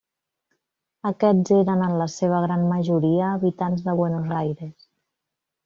Aquests eren, en la seva gran majoria, habitants de Buenos Aires.